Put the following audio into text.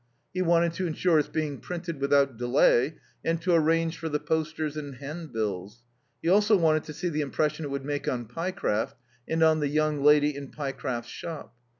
He wanted to insure its being printed without delay, and to arrange for the posters and handbills; he also wanted to see the impression it would make on Pyecraft and on the young lady in Pyecraft's shop.